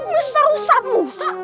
mr rusa musa